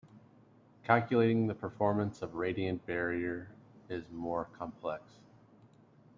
Calculating the performance of radiant barriers is more complex.